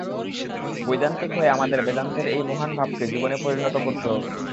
বৈদান্তিক হয়ে আমাদের বেদান্তের এই মহান ভাবকে জীবনে পরিণত করতে হবে।